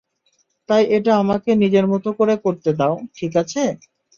তাই এটা আমাকে নিজের মত করে করতে দাও, ঠিক আছে?